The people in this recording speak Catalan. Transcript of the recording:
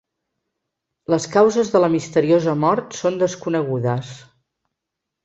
Les causes de la misteriosa mort són desconegudes.